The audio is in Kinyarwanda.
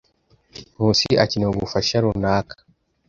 Nkusi akeneye ubufasha runaka.